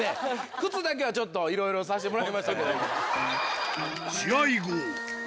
靴だけはちょっと、いろいろさせてもら試合後。